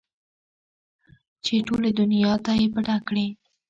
چې ټولې دونيا نه يې پټه کړې وه.